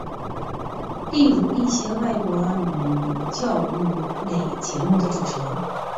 例如一些外国语教育类节目的主持人。